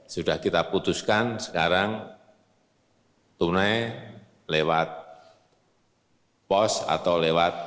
sudah kita putuskan sekarang tunai lewat pos atau lewat